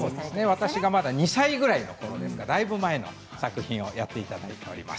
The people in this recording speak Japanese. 私が２歳ぐらいのころでだいぶ前の作品をやっていただいています。